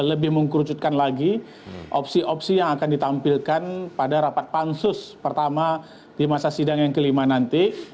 lebih mengkerucutkan lagi opsi opsi yang akan ditampilkan pada rapat pansus pertama di masa sidang yang kelima nanti